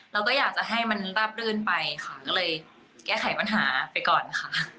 เราก็อยากจะให้มันราบรื่นไปค่ะก็เลยแก้ไขปัญหาไปก่อนค่ะ